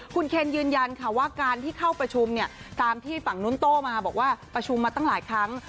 คุณเคนยืนยันค่ะว่าการที่เข้าประชุมเนี่ยตามที่ฝั่งนู้นโต้มาบอกว่าประชุมมาตั้งหลายครั้ง